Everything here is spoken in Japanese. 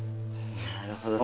なるほど。